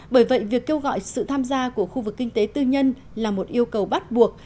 bởi vậy việc kêu gọi sự tham gia của khu vực kinh tế tư nhân là một yêu cầu bắt buộc